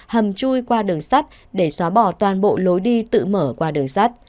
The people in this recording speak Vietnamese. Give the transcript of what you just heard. hầm chui qua đường sắt để xóa bỏ toàn bộ lối đi tự mở qua đường sắt